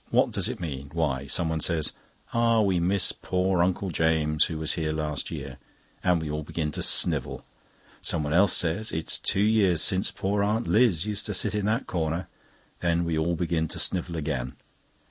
What does it mean? Why someone says: 'Ah! we miss poor Uncle James, who was here last year,' and we all begin to snivel. Someone else says: 'It's two years since poor Aunt Liz used to sit in that corner.' Then we all begin to snivel again.